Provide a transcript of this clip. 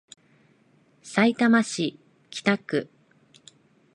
さいたま市北区